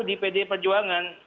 di pd perjuangan